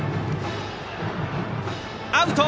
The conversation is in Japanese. アウト！